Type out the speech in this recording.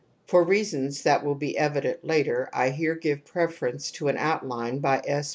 For reasons that will be evident later I here give preference to an outline by S.